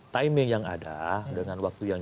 timing yang ada dengan waktu yang